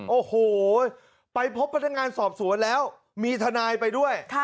โอ้โหไปพบพนักงานสอบสวนแล้วมีทนายไปด้วย